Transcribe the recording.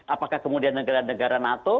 apakah kemudian negara negara nato